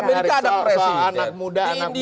banyak anak presiden